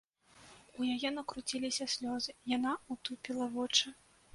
У яе накруціліся слёзы, яна ўтупіла вочы.